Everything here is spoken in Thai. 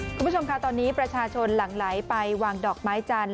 คุณผู้ชมค่ะตอนนี้ประชาชนหลั่งไหลไปวางดอกไม้จันท